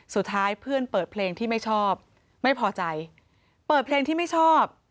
สุดท้ายเพื่อนเปิดเพลงที่ไม่ชอบไม่พอใจเปิดเพลงที่ไม่ชอบ